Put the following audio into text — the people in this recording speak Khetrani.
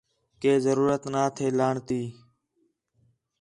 کو ضرورت نہ تھے لاݨ تی